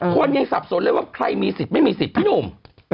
คนยังสับสนเลยว่าใครมีสิทธิ์ไม่มีสิทธิ์พี่หนุ่ม